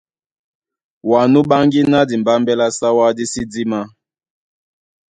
Wǎ nú ɓáŋgí ná dimbámbɛ́ lá Sáwá dí sí dímá.